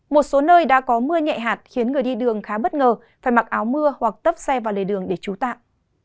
một số nơi đã có mưa nhẹ hạt khiến người đi đường khá bất ngờ phải mặc áo mưa hoặc tấp xe vào lề đường để trú tạm